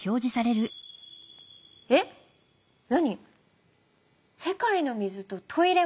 えっ何？